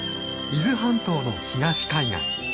伊豆半島の東海岸。